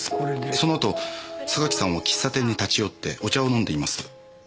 その後榊さんは喫茶店に立ち寄ってお茶を飲んでいます。